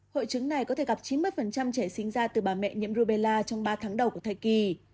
hội chứng này có thể gặp chín mươi trẻ sinh ra từ bà mẹ nhiễm rubella trong ba tháng đầu của thời kỳ